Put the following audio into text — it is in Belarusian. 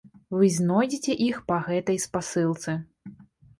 Вы знойдзеце іх па гэтай спасылцы.